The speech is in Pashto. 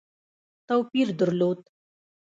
توپیر درلود.